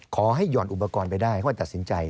ขอให้หย่อนอุปกรณ์ไปได้เขาอาจจะตัดสินใจ